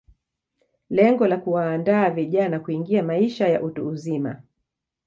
Lengo la kuwaandaa vijana kuingia maisha ya utu uzima